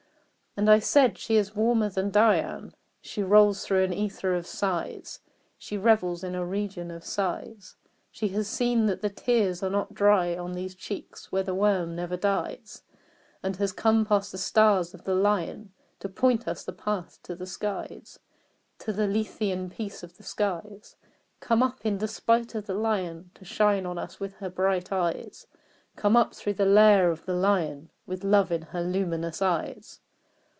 And I said "She is warmer than Dian: She rolls through an ether of sighs She revels in a region of sighs: She has seen that the tears are not dry on These cheeks, where the worm never dies, And has come past the stars of the Lion To point us the path to the skies To the Lethean peace of the skies Come up, in despite of the Lion, To shine on us with her bright eyes Come up through the lair of the Lion, With love in her luminous eyes."